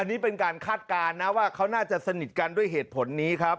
อันนี้เป็นการคาดการณ์นะว่าเขาน่าจะสนิทกันด้วยเหตุผลนี้ครับ